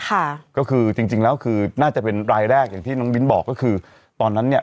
ค่ะก็คือจริงจริงแล้วคือน่าจะเป็นรายแรกอย่างที่น้องมิ้นบอกก็คือตอนนั้นเนี่ย